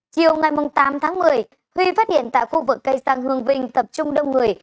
chiều ngày tám tháng một mươi huy phát hiện tại khu vực cây sang hương vinh tập trung đông người